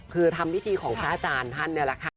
คือทำวิธีของพระอาจารย์